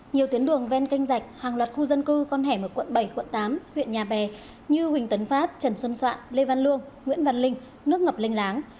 nhiều tuyến đường ven canh rạch hàng loạt khu dân cư con hẻm ở quận bảy quận tám huyện nhà bè như huỳnh tấn phát trần xuân soạn lê văn lương nguyễn văn linh nước ngập linh láng